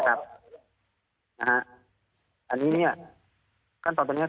อันนี้เงี่ย